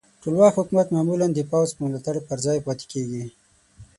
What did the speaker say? ټولواک حکومت معمولا د پوځ په ملاتړ پر ځای پاتې کیږي.